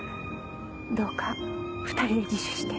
どうか２人で自首して。